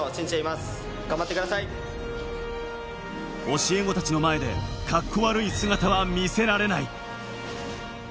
教え子たちの前でカッコ悪い姿は見せられない。